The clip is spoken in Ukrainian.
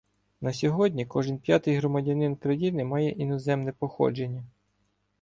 На сьогодні кожен п'ятий громадянин країни має іноземне походження.